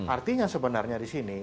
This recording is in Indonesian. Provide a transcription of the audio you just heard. artinya sebenarnya di sini